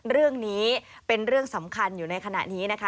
เรื่องนี้เป็นเรื่องสำคัญอยู่ในขณะนี้นะคะ